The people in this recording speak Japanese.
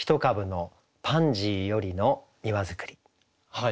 はい。